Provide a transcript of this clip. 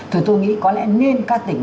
thì tôi nghĩ có lẽ nên các tỉnh